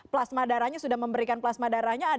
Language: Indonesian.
plasma darahnya sudah memberikan plasma darahnya